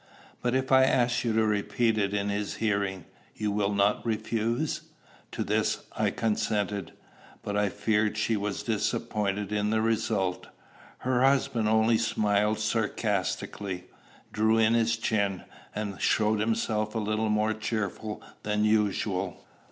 "But if I ask you to repeat it in his hearing, you will not refuse?" To this I consented; but I fear she was disappointed in the result. Her husband only smiled sarcastically, drew in his chin, and showed himself a little more cheerful than usual.